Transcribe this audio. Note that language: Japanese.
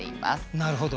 なるほど。